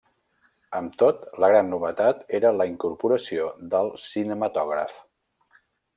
Amb tot, la gran novetat era la incorporació del cinematògraf.